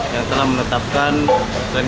yang telah menetapkan